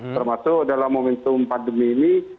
termasuk dalam momentum pandemi ini